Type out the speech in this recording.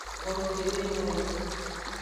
Bonudemenowo.